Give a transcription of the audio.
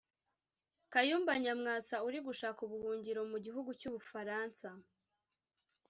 Kayumba Nyamwasa uri gushaka ubuhungiro mu gihugu cy’Ubufaransa